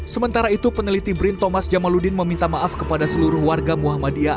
sementara itu peneliti brin thomas jamaludin meminta maaf kepada seluruh warga muhammadiyah